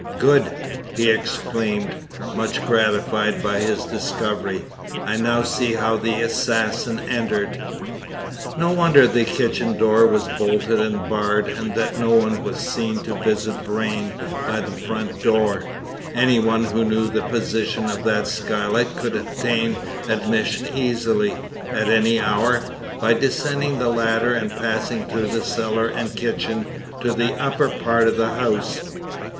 "Good!" he exclaimed, much gratified by this discovery. "I now see how the assassin entered. No wonder the kitchen door was bolted and barred, and that no one was seen to visit Vrain by the front door. Any one who knew the position of that skylight could obtain admission easily, at any hour, by descending the ladder and passing through cellar and kitchen to the upper part of the house.